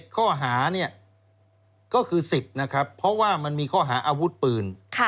ข้อหาเนี่ยก็คือ๑๐นะครับเพราะว่ามันมีข้อหาอาวุธปืน